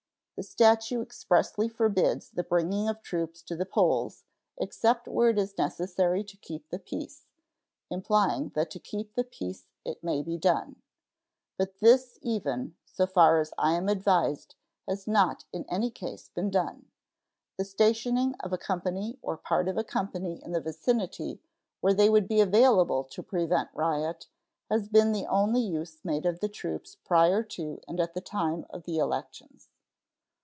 The statute expressly forbids the bringing of troops to the polls "except where it is necessary to keep the peace," implying that to keep the peace it may be done. But this even, so far as I am advised, has not in any case been done. The stationing of a company or part of a company in the vicinity, where they would be available to prevent riot, has been the only use made of troops prior to and at the time of the elections.